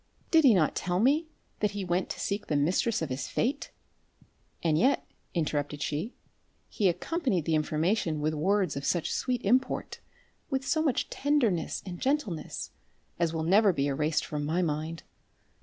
Did he not tell me, that he went to seek the mistress of his fate? And yet," interrupted she, "he accompanied the information with words of such sweet import, with so much tenderness and gentleness, as will never be erased from my mind.